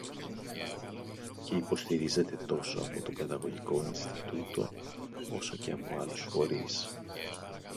και υποστηρίζεται τόσο από το Παιδαγωγικό Ινστιτούτο, όσο και από άλλους φορείς